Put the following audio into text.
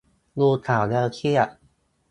ดูข่าวแล้วเครียด